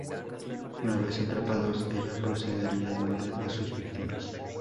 Una vez atrapados, ella procedería a devorar a sus víctimas.